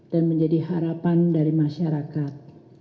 dan menjadi harapan dari masyarakat